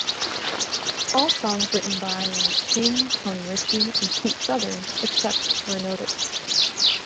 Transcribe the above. All songs written by Lance King, Tony Ritchie, and Pete Southern, except where noted.